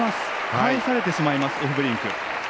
返されてしまいますエフベリンク。